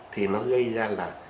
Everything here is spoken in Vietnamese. thì nó gây ra là